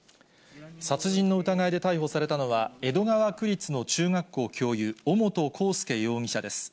殺人の疑いで逮捕されたのは、江戸川区立の中学校教諭、尾本幸祐容疑者です。